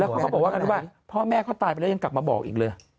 แล้วก็กลับมาว่าพ่อแม่ก็ตายแล้วกลับมาบอกอีกเลย